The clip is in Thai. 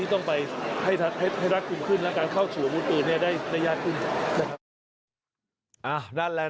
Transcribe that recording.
ที่ต้องไปให้รักษ์กรุมขึ้นและการเข้าถึงอาวุธอื่นได้ยากขึ้น